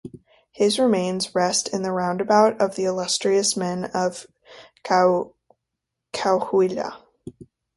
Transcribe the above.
His remains rest in the Roundabout of the Illustrious Men of Coahuila.